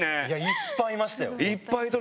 いっぱいいましたよ。